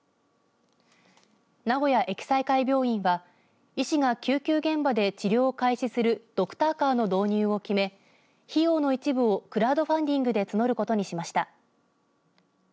名古屋掖済会病院は医師が救急現場で治療を開始するドクターカーの導入を決め費用の一部をクラウドファンディングで募ることにしました。